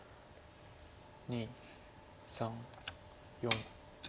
２３４。